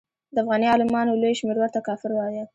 د افغاني عالمانو لوی شمېر ورته کافر وایه.